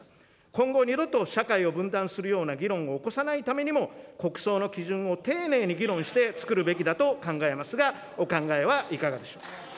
今後、二度と社会を分断するような議論を起こさないためにも、国葬の基準を丁寧に議論して作るべきだと考えますが、お考えはいかがでしょうか。